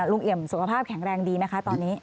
เอี่ยมสุขภาพแข็งแรงดีไหมคะตอนนี้